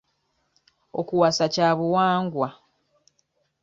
Okuwasa kya buwangwa.